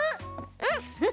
うん！